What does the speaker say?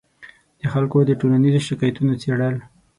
د خلکو د ټولیزو شکایتونو څېړل